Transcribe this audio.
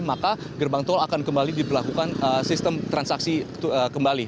maka gerbang tol akan kembali diperlakukan sistem transaksi kembali